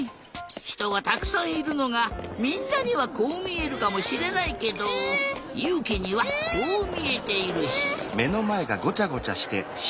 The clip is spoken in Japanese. ひとがたくさんいるのがみんなにはこうみえるかもしれないけどゆうきにはこうみえているし。